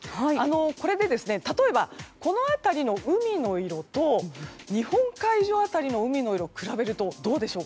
これで例えばこの辺りの海の色と日本海上辺りの海の色を比べると、どうでしょう？